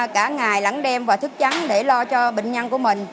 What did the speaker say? cả ngày lẫn đêm và thức trắng để lo cho bệnh nhân của mình